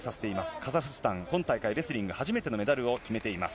カザフスタン、今大会、レスリング初めてのメダルを決めています。